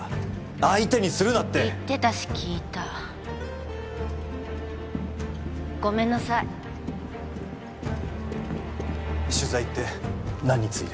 相手にするなって言ってたし聞いたごめんなさい取材って何について？